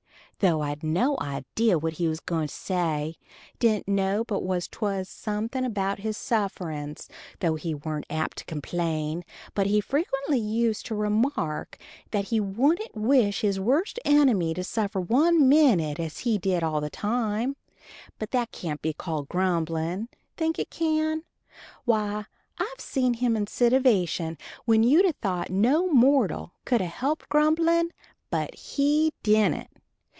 though I'd no idee what he was gwine to say, dident know but what 'twas something about his sufferings, though he wa'n't apt to complain, but he frequently used to remark that he wouldent wish his worst enemy to suffer one minnit as he did all the time; but that can't be called grumblin' think it can? Why I've seen him in sitivation when you'd a thought no mortal could a helped grumblin'; but he dident.